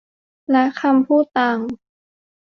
และคำพูดต่าง